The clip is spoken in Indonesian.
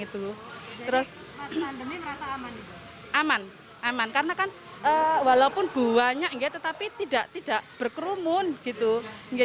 terima kasih aman aman karena kan walaupun buahnya enggak tetapi tidak tidak berkerumun gitu enggak